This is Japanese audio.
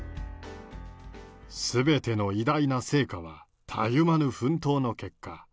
すべての偉大な成果はたゆまぬ奮闘の結果。